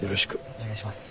お願いします。